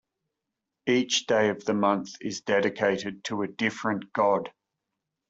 Each day of the month is dedicated to a different god.